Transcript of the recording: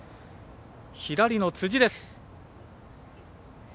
左の辻です。